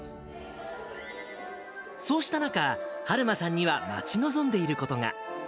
そうした中、はるまさんには待ち望んでいることが。